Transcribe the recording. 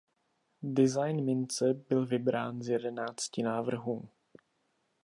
Design mince byl vybrán z jedenácti návrhů.